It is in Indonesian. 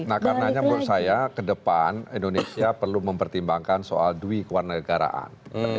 nah karena menurut saya ke depan indonesia perlu mempertimbangkan soal duit kewarna negaraan